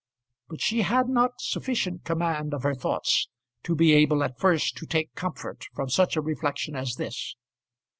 But she had not sufficient command of her thoughts to be able at first to take comfort from such a reflection as this.